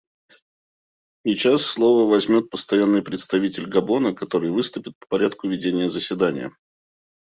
Сейчас слово имеет Постоянный представитель Габона, который выступит по порядку ведения заседания.